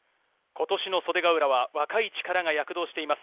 今年の袖ヶ浦は若い力が躍動しています。